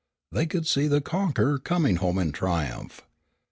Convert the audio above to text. They could see the conqueror coming home in triumph.